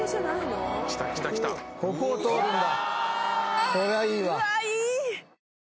ここを通るんだ。